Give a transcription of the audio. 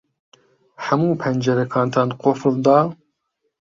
ھەموو پەنجەرەکانتان قوفڵ دا؟